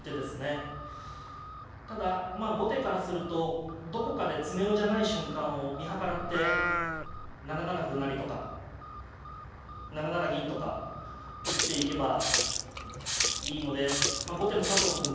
ただまあ後手からするとどこかで詰めろじゃない瞬間を見計らって７七歩成とか７七銀とか打っていけばいいので後手の佐藤くん